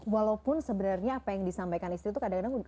walaupun sebenarnya apa yang disampaikan istri itu kadang kadang